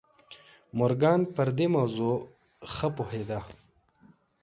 مورګان پر دې موضوع ښه پوهېده.